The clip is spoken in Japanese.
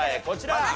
こちら。